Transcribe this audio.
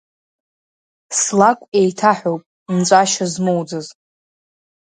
Слакә еиҭаҳәоуп нҵәашьа змоуӡаз.